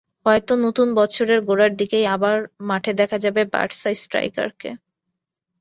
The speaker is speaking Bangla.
হয়তো নতুন বছরের গোড়ার দিকেই আবার মাঠে দেখা যাবে বার্সা স্ট্রাইকারকে।